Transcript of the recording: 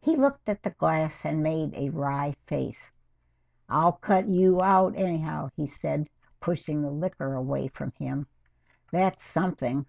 He looked at the glass and made a wry face. "I'll cut you out anyhow," he said, pushing the liquor away from him. "That's something.